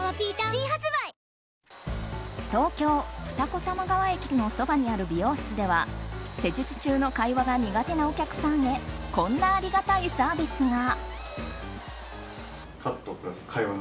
新発売東京・二子玉川のそばにある美容室では施術中の会話が苦手なお客さんへこんなありがたいサービスが。